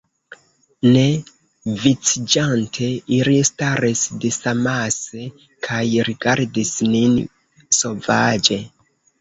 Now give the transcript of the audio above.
Ne viciĝante, ili staris disamase, kaj rigardis nin sovaĝe.